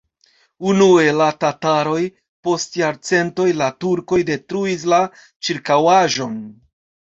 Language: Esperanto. Unue la tataroj, post jarcentoj la turkoj detruis la ĉirkaŭaĵon.